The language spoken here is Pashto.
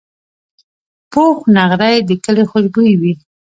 پوخ نغری د کلي خوشبويي وي